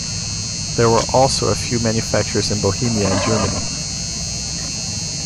There were also a few manufacturers in Bohemia and Germany.